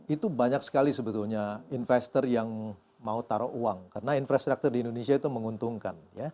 itu banyak sekali sebetulnya investor yang mau taruh uang karena infrastruktur di indonesia itu menguntungkan